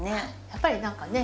やっぱり何かね